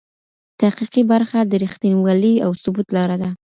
تحقیقي برخه د رښتینولۍ او ثبوت لاره ده.